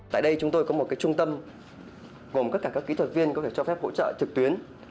tại đây chúng tôi có một trung tâm gồm các kỹ thuật viên có thể cho phép hỗ trợ thực tuyến